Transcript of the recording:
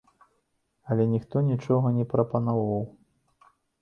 Але ніхто нічога не прапаноўваў.